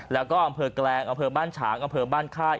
แล้วก็อำเภอแกลงอำเภอบ้านฉางอำเภอบ้านค่าย